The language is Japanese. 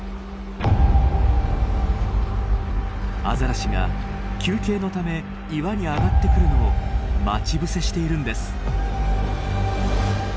アザラシが休憩のため岩に上がってくるのを待ち伏せしているんです。